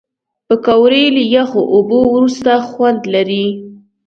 پکورې له یخو اوبو وروسته خوند لري